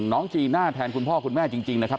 จีน่าแทนคุณพ่อคุณแม่จริงนะครับ